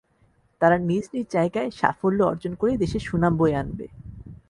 তাঁরা নিজ নিজ জায়গায় সাফল্য অর্জন করে দেশের সুনাম বয়ে আনবে।